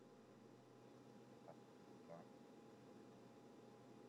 Teɣli ɣef Yuba s rregmat.